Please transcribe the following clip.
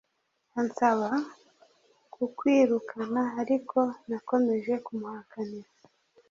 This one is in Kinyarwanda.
ansaba kukwirukana ariko nakomeje kumuhakanira